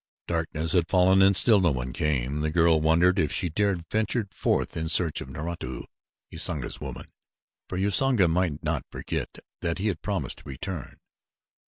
Darkness had fallen and still no one came. The girl wondered if she dared venture forth in search of Naratu, Usanga's woman, for Usanga might not forget that he had promised to return.